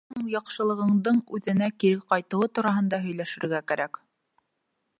Унан һуң яҡшылығыңдың үҙеңә кире ҡайтыуы тураһында һөйләшергә кәрәк.